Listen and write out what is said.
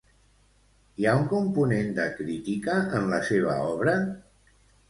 Hi ha un component de crítica en la seva obra?